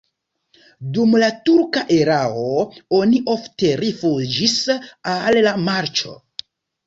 Dum la turka erao oni ofte rifuĝis al la marĉo.